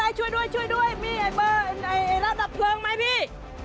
โอ้ยช่วยด้วยมีรถดับเพลิงมั้ยพี่